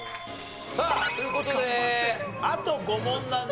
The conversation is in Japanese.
さあという事であと５問なんですよ。